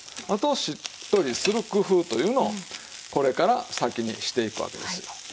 あとしっとりする工夫というのをこれから先にしていくわけですよ。